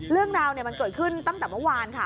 เรื่องราวมันเกิดขึ้นตั้งแต่เมื่อวานค่ะ